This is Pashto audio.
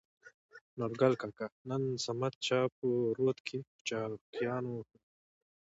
نورګل کاکا : نن صمد چا په رود کې په چاقيانو ووهلى.